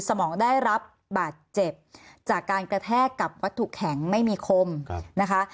สมองได้รับบาดเจ็บจากการกระแทกกับวัตถุแข็งไม่มีคมนะคะ